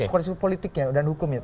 konsekuensi politik dan hukumnya